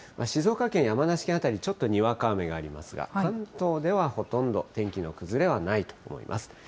静岡県、山梨県辺りは、ちょっとにわか雨がありますが、関東ではほとんど天気の崩れはないと思います。